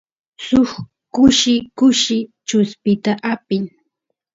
suk kushi kushi chuspita apin